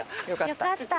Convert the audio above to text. よかった。